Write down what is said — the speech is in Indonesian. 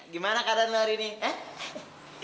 gimana keadaan lu hari ini eh